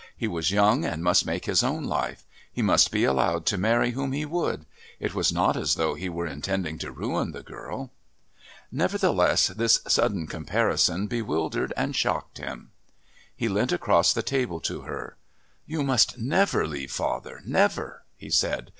He was young and must make his own life. He must be allowed to marry whom he would. It was not as though he were intending to ruin the girl.... Nevertheless, this sudden comparison bewildered and shocked him. He leant across the table to her. "You must never leave father never," he said.